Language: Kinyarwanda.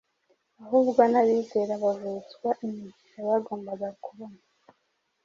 ahubwo n’abizera bavutswa imigisha bagombaga kubona.